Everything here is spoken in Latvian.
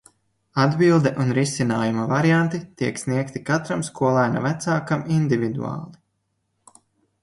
Atbilde un risinājuma varianti tiek sniegti katram skolēna vecākam individuāli.